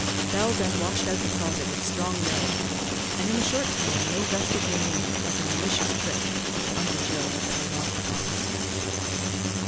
Bell then washed out the closet with strong ley, and in a short time no vestige remained of the malicious trick that Uncle Joe had played off upon us.